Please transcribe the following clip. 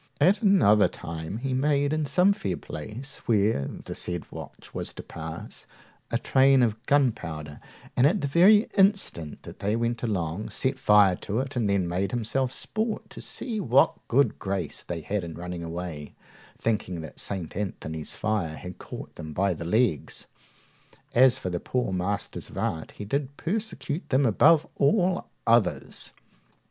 At another time he made in some fair place, where the said watch was to pass, a train of gunpowder, and, at the very instant that they went along, set fire to it, and then made himself sport to see what good grace they had in running away, thinking that St. Anthony's fire had caught them by the legs. As for the poor masters of arts, he did persecute them above all others.